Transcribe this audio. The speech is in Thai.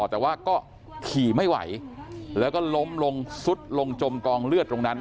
แต่ว่าก็ขี่ไม่ไหวแล้วก็ล้มลงสุดลงจมกองเลือดตรงนั้น